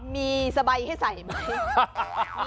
มีสบายให้ใส่ไหม